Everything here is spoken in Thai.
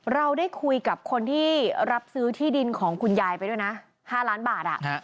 เราได้คุยกับคนที่รับซื้อที่ดินของคุณยายไปด้วยนะ๕ล้านบาท